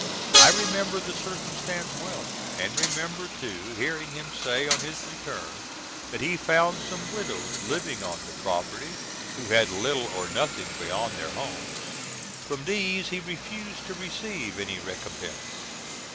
I remember the circumstance well, and remember, too, hearing him say on his return that he found some widows living on the property, who had little or nothing beyond their homes. From these he refused to receive any recompense.